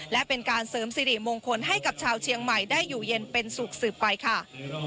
และเป็นการเสริมสิริมงคลให้กับชาวเชียงใหม่ได้อยู่เย็นเป็นสุขสืบไปค่ะ